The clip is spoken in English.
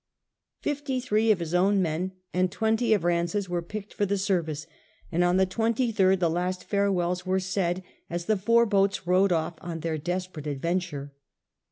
Fifty three of his own men and twenty of Banse's were picked for the service, and on the 23rd the last farewells were said as the four boats rowed off on their desperate adventure.